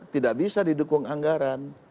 tidak bisa didukung anggaran